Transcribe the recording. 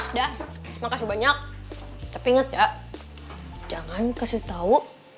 udah mah kasih banyak tapi inget ya jangan kasih tau boy